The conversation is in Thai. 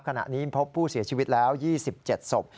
ขณะนี้พบผู้เสียชีวิตแล้ว๒๗ศพ